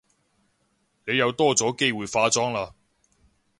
你又多咗機會化妝喇